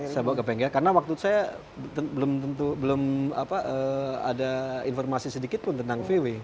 saya bawa ke bengkel karena waktu itu saya belum ada informasi sedikit pun tentang vw